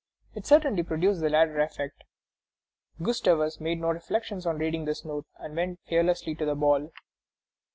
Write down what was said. It certainly produced the latter effect." Gustavus made no reflections on reading this note, and went fearlessly to the ball.